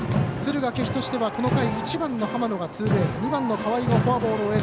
敦賀気比としてはこの回、１番浜野がツーベースヒット２番河合がフォアボール。